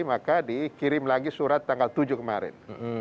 maka dikirim lagi surat tanggal tujuh kemarin